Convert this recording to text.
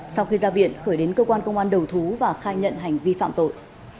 sau khi ra viện khởi đến cơ quan công an đầu thú và khai nhận hành vi phạm tội